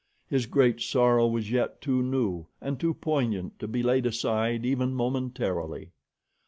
His great sorrow was yet too new and too poignant to be laid aside even momentarily.